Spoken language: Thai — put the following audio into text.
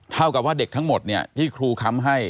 เท่ากับว่าเด็กทั้งหมดเนี่ยที่ครูค้ำให้